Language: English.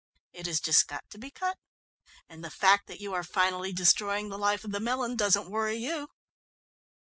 It has just got to be cut, and the fact that you are finally destroying the life of the melon doesn't worry you."